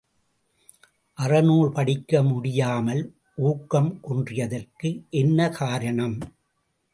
அறநூல் படிக்க முடியாமல் ஊக்கம் குன்றியதற்கு என்ன காரணம்?